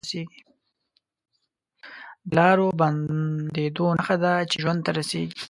د لارو بندېدو نښه ده چې ژوند ته رسېږي